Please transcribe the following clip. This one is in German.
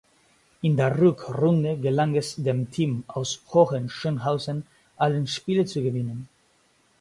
In der Rückrunde gelang es dem Team aus Hohenschönhausen alle Spiele zu gewinnen.